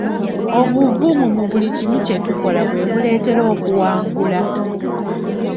Obuvumu mu buli kimu kye tukola bwe butuleetera okuwangula.